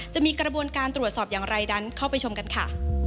จะมีกระบวนการตรวจสอบอย่างไรนั้นเข้าไปชมกันค่ะ